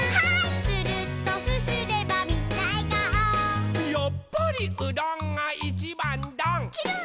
「つるっとすすればみんなえがお」「やっぱりうどんがいちばんどん」ちゅるっ。